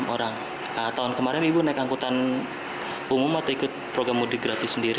orang tahun kemarin ibu naik angkutan umum atau ikut program mudik gratis sendiri